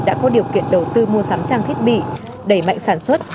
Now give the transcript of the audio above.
đã có điều kiện đầu tư mua sắm trang thiết bị đẩy mạnh sản xuất